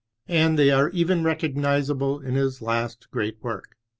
And they are even recognizable in his last great work.